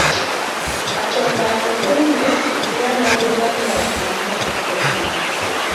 Katonda akukume era n’Obuganda bwonna abukuume.